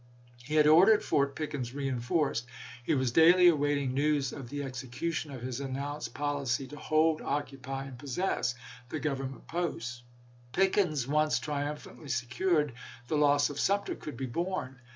He had ordered Fort Pickens reenforced; he was daily awaiting news of the execution of his announced policy to " hold, occupy, and possess " the Govern ment posts. Pickens once triumphantly secured, the loss of Sumter could be borne.